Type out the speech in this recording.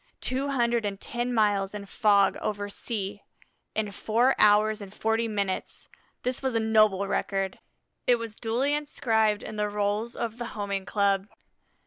Two hundred and ten miles in fog over sea in four hours and forty minutes! This was a noble record. It was duly inscribed in the rolls of the Homing Club.